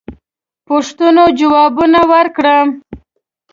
پوښتنو جوابونه ورکړم.